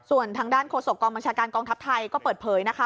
ส่วนทางด้านโฆษกองบัญชาการกองทัพไทยก็เปิดเผยนะคะ